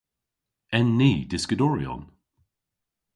En ni dyskadoryon?